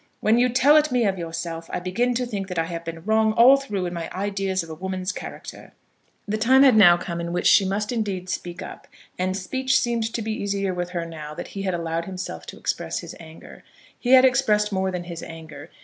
When you tell it me of yourself, I begin to think that I have been wrong all through in my ideas of a woman's character." The time had now come in which she must indeed speak up. And speech seemed to be easier with her now that he had allowed himself to express his anger. He had expressed more than his anger.